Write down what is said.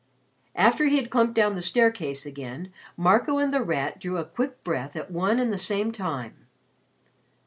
After he had clumped down the staircase again, Marco and The Rat drew a quick breath at one and the same time.